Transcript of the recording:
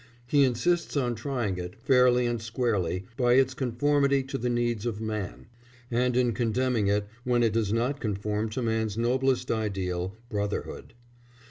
He insists on trying it, fairly and squarely, by its conformity to the needs of man, and in condemning it when it does not conform to man's noblest ideal brotherhood.